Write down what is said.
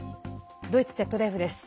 ドイツＺＤＦです。